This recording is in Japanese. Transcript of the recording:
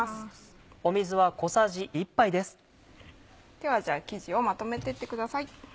では生地をまとめてってください。